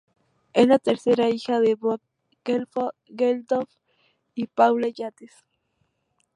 Es la tercera hija de Bob Geldof y Paula Yates.